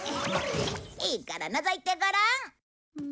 いいからのぞいてごらん。